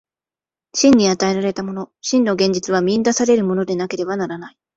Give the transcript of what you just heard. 真に与えられたもの、真の現実は見出されるものでなければならない。